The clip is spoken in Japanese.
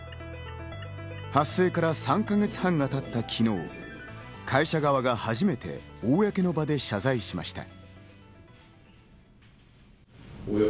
発生から３か月半がたった昨日、会社側が初めて公の場で謝罪しました。